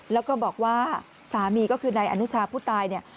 แล้วก็บอกว่าสามีก็คือนายอนุชาผู้ตายเนี่ย